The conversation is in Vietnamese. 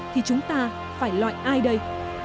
thì chúng ta phải loại ai đây